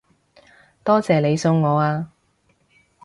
多謝你送我啊